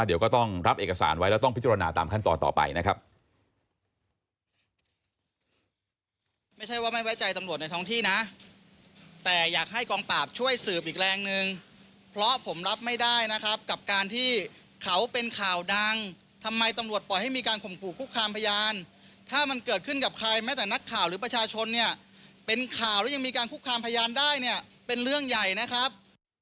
เดี๋ยวก็ต้องรับเอกสารไว้แล้วต้องพิจารณาตามขั้นตอนต่อไปนะครับ